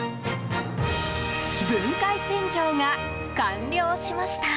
分解洗浄が完了しました。